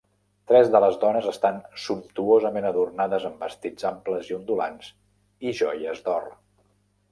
Tres de les dones estan sumptuosament adornades amb vestits amples i ondulants i joies d'or.